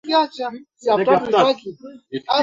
rais dennis asungwe sun na nate odoro biang ogwema